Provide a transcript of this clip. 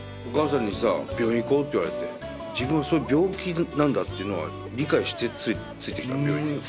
お母さんにさ「病院行こう」って言われて自分は病気なんだっていうのは理解してついてきた病院？